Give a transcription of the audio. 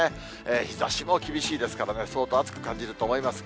日ざしも厳しいですから、相当暑く感じると思います。